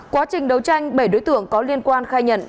quá trình đấu tranh bảy đối tượng có liên quan khai nhận